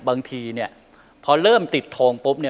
บางทีเนี่ยพอเริ่มติดทงปุ๊บเนี่ย